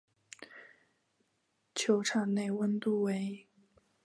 球场内温度为。